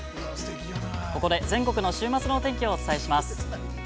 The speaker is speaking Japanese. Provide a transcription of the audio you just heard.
◆ここで全国の週末のお天気をお伝えします。